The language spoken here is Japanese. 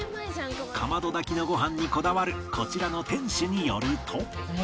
かまど炊きのご飯にこだわるこちらの店主によると